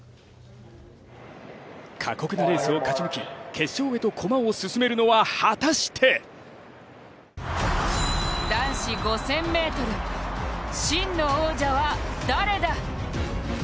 過酷なレースを勝ち抜き、決勝へと駒を進めるのは果たして男子５０００ｍ、真の王者は誰だ。